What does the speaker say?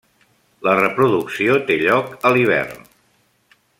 La reproducció té lloc a l'hivern.